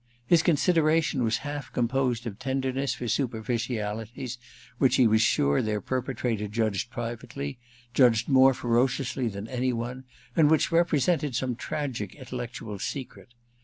His consideration was half composed of tenderness for superficialities which he was sure their perpetrator judged privately, judged more ferociously than any one, and which represented some tragic intellectual secret.